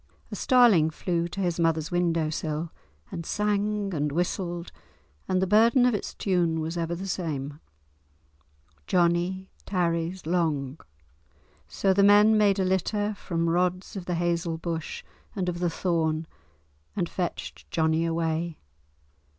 A starling flew to his mother's window sill, and sang and whistled, and the burden of its tune was ever the same. "Johnie tarries long." So the men made a litter from rods of the hazel bush and of the thorn and fetched Johnie away.